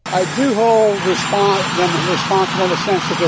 saya menanggapi serangan pesawat tak berawak